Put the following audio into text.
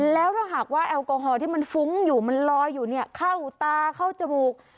แล้วถ้าหากว่าแอลกอฮอลที่มันฟุ้งอยู่มันลอยอยู่เนี่ยเข้าตาเข้าจมูก